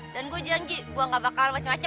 dan gua janji gua gak bakalan macem macem